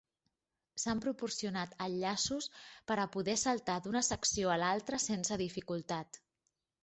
S'han proporcionat enllaços per a poder saltar d'una secció a l'altra sense dificultat.